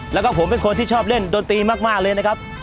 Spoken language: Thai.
แล้วก็ผมเป็นคนที่ชอบเล่นดนตรีมากเลยนะครับ